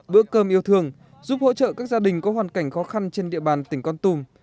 bữa cơm yêu thương giúp hỗ trợ các gia đình có hoàn cảnh khó khăn trên địa bàn tỉnh con tùm